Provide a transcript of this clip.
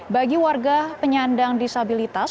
bagi warga penyandang disabilitas